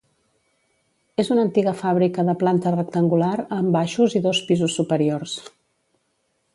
És una antiga fàbrica de planta rectangular, amb baixos i dos pisos superiors.